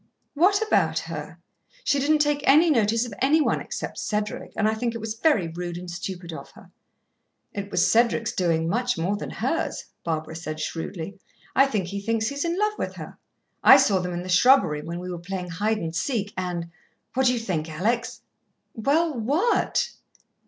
"What about her? She didn't take any notice of any one except Cedric, and I think it was very rude and stupid of her." "It was Cedric's doing much more than hers," Barbara said shrewdly. "I think he thinks he is in love with her. I saw them in the shrubbery when we were playing hide and seek; and what do you think, Alex?" "Well, what?"